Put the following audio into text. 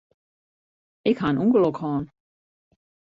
Ik ha in ûngelok hân.